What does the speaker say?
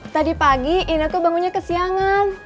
tadi pagi ineke bangunnya ke siangan